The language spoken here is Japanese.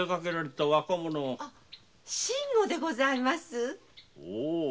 信吾でございます。